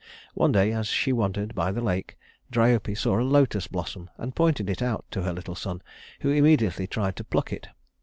One day, as she wandered by the lake, Dryope saw a lotus blossom and pointed it out to her little son, who immediately tried to pluck it.